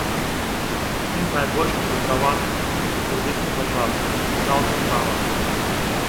Адзін з найбольш адукаваных людзей свайго часу, знаўца права.